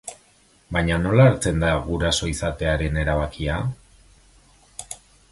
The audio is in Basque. Baina nola hartzen da guraso izatearen erabakia?